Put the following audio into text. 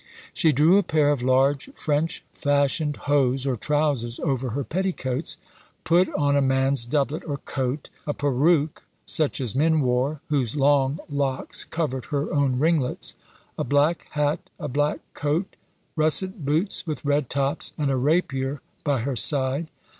"She drew a pair of large French fashioned hose or trowsers over her petticoats; put on a man's doublet or coat; a peruke such as men wore, whose long locks covered her own ringlets; a black hat, a black coat, russet boots with red tops, and a rapier by her side.